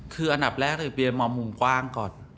คืออันดับแรกเรียนมองมุมกว้างก่อน